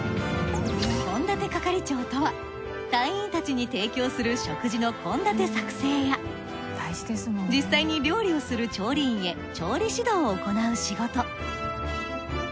献立係長とは隊員たちに提供する食事の献立作成や実際に料理をする調理員へ調理指導を行う仕事。